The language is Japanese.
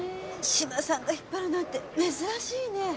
志麻さんが引っ張るなんて珍しいね。